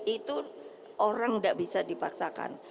itu orang nggak bisa dipaksakan